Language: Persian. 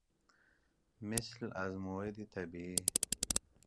مثل از موعد طبیعی